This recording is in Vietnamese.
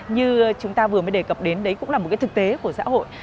như chúng ta vừa mới đề cập đến đấy cũng là một cái thực tế của xã hội